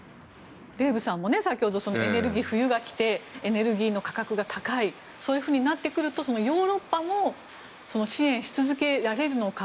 デーブさんも先ほど冬が来てエネルギーの価格が高いそういうふうになってくるとヨーロッパも支援し続けられるのか。